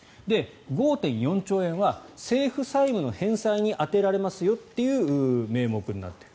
５．４兆円は政府債務の返済に充てられますよという名目になっている。